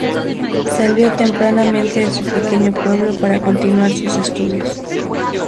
Salió tempranamente de su pequeño pueblo para continuar sus estudios.